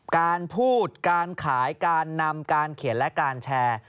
การพูดการขายการนำการเขียนและการแชร์